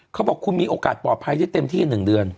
เขาบอกคุณมีโอกาสปลอดภัยได้เต็มที่๑เดือน